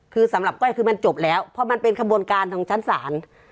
คือสำหรับก้อยคือมันจบแล้วเพราะมันเป็นขบวนการทางชั้นศาล